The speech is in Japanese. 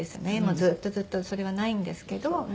ずっとずっとそれはないんですけど。